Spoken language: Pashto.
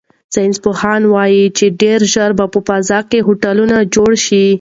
ساینس پوهان وایي چې ډیر ژر به په فضا کې هوټلونه جوړ شي.